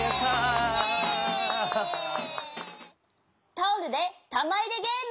タオルでたまいれゲーム！